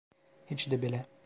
Hiç de bile.